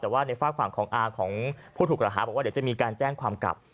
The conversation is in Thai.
แต่ว่าในฝากฝั่งของอาของผู้ถูกกระหาบอกว่าเดี๋ยวจะมีการแจ้งความกลับ